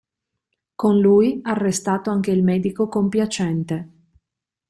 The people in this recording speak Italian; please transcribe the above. Con lui arrestato anche il medico compiacente.